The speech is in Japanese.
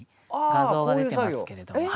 画像が出てますけれども。